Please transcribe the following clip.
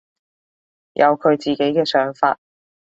有佢自己嘅想法